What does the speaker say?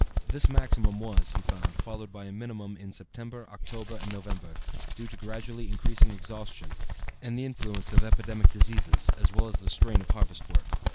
This maximum was, he found, followed by a minimum in September, October, and November, due to gradually increasing exhaustion, and the influence of epidemic diseases, as well as the strain of harvest work.